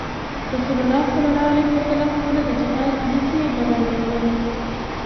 رسول الله صلی علیه وسلم خپله د جهاد ليکې برابرولې.